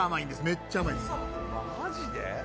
めっちゃ甘いです